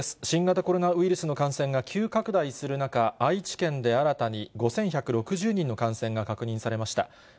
新型コロナウイルスの感染が急拡大する中、愛知県で新たに５１６０人の感染が確認されました。